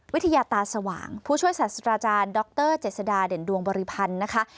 วิทยาตาสว่างผู้ช่วยศาสตราจารย์ดรเจษฎาเด่นดวงบริพันธ์นะคะ